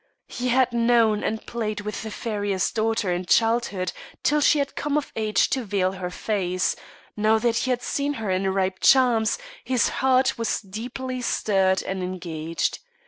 He had known and played with the farrier's daughter in childhood, till she had come of age to veil her face; now that he had seen her in her ripe charms, his heart was deeply stirred and engaged.